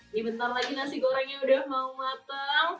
ini bentar lagi nasi gorengnya sudah mau matang